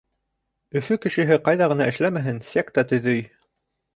Өфө кешеһе, ҡайҙа ғына эшләмәһен, секта төҙөй.